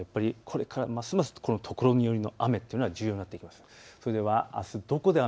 これからますますところにより雨というのが重要になってきます。